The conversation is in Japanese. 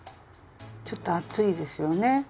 ちょっと厚いですよね？